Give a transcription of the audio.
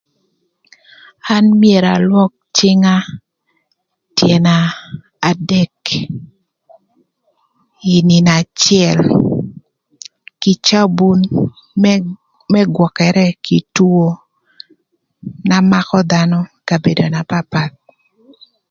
An myero alwök cïnga tyën adek, ï nïnö acël kï cabun më gwökërë kï two na makö dhanö kabedo na papath.